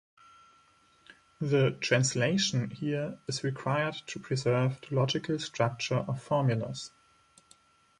The "translation" here is required to preserve the logical structure of formulas.